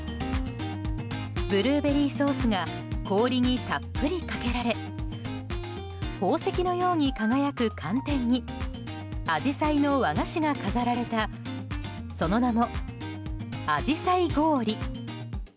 ブルーベリーソースが氷にたっぷりかけられ宝石のように輝く寒天にアジサイの和菓子が飾られたその名も、紫陽花氷。